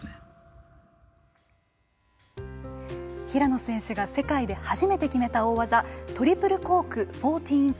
平野選手が世界で初めて決めた大技トリプルコーク１４４０。